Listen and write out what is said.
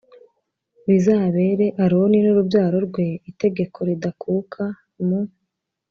bizabere Aroni n urubyaro rwe itegeko ridakuka mu